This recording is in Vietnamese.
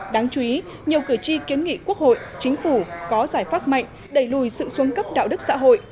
đáng chú ý nhiều cử tri kiến nghị quốc hội chính phủ có giải pháp mạnh đẩy lùi sự xuân cấp đạo đức xã hội